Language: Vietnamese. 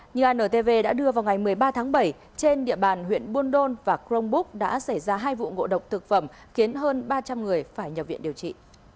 như antv đã đưa vào ngày một mươi ba tháng bảy trên địa bàn huyện buôn đôn và crong búc đã xảy ra hai vụ ngộ độc thực phẩm khiến hơn ba trăm linh người phải nhập viện điều trị